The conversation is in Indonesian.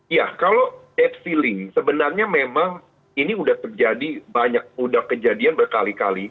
ya kalau debt ceiling sebenarnya memang ini udah terjadi banyak udah kejadian berkali kali